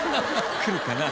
来るかな。